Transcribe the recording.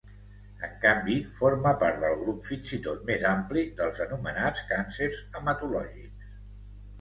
En canvi, forma part del grup, fins i tot més ampli, dels anomenats càncers hematològics.